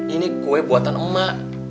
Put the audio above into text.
ini kue buatan emak